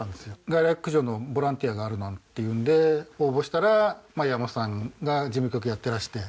外来駆除のボランティアがあるなっていうんで応募したら山本さんが事務局やってらして。